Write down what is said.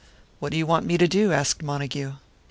"What do you want me to do?" asked Montague.